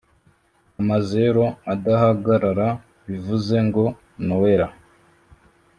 amazero adahagarara bivuze ngo noella